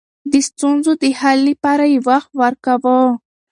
د ستونزو د حل لپاره يې وخت ورکاوه.